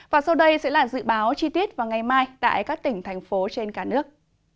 và sau đây sẽ là dự báo chi tiết vào ngày mai tại các tỉnh thành phố trên cả nước